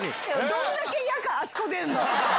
どんだけ嫌か、あそこ出んの。